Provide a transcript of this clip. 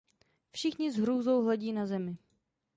Všichni s hrůzou hledí na Zemi.